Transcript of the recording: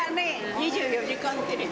２４時間テレビ？